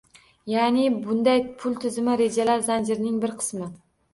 Yaʼni bunday pul tizimli rejalar zanjirining bir qismi.